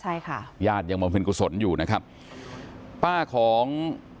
ใช่ค่ะญาติยังมาเป็นกุศลอยู่นะครับป้าของ